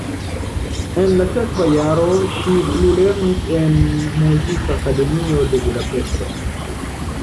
Ekde la sekva jaro ŝi plulernis en Muzikakademio de Budapeŝto.